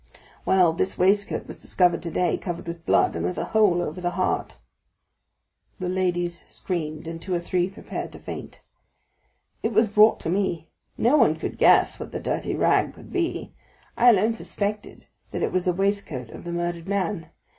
"Well, this waistcoat was discovered today, covered with blood, and with a hole over the heart." The ladies screamed, and two or three prepared to faint. "It was brought to me. No one could guess what the dirty rag could be; I alone suspected that it was the waistcoat of the murdered man.